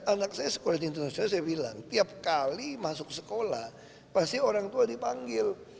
anak saya sekolah di indonesia saya bilang tiap kali masuk sekolah pasti orang tua dipanggil